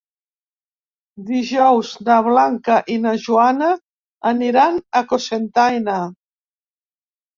Dijous na Blanca i na Joana aniran a Cocentaina.